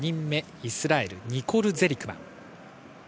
イスラエルのニコル・ゼリクマン。